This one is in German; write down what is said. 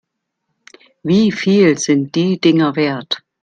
Wie viel sind die Dinger wert?